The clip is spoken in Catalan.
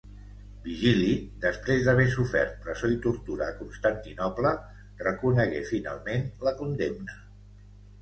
Vigili, després d'haver sofert presó i tortura a Constantinoble, reconegué finalment la condemna.